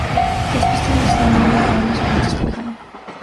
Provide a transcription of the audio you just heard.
Las pistas nos las dan los objetos que dejaron.